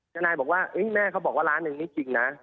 ทนายบอกว่าแม่เขาบอกว่าล้านหนึ่งนี่จริงนะ